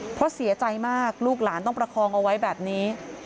เพราะเสียใจมากลูกหลานต้องประคองเอาไว้แบบนี้